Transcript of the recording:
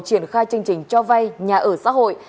triển khai chương trình cho vay nhà ở xã hội